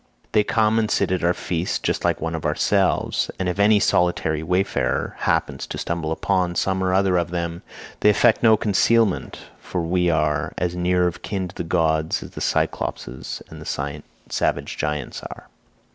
They come and sit at our feasts just like one of our selves, and if any solitary wayfarer happens to stumble upon some one or other of them, they affect no concealment, for we are as near of kin to the gods as the Cyclopes and the savage giants are."